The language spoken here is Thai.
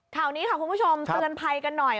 ข่าวนี้ค่ะคุณผู้ชมเตือนภัยกันหน่อย